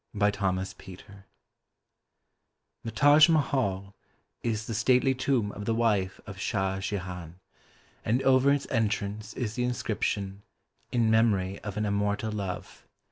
AN IMMORTAL LOVE [The Taj Mahal is the stately tomb of the wife of Shah Jehan, and over its entrance is the inscription, " In Memory of an Immor tal Love."